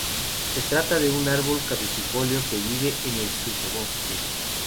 Se trata de un árbol caducifolio que vive en el sotobosque.